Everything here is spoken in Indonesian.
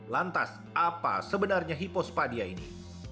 lantas apa sebenarnya hipospadia ini